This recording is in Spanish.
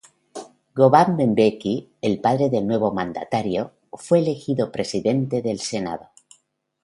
Govan Mbeki, el padre del nuevo mandatario, fue elegido presidente del Senado.